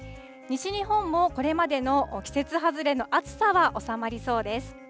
西日本も、これまでの季節外れの暑さは収まりそうです。